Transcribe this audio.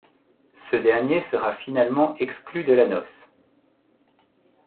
Ce dernier sera finalement exclu de la noce.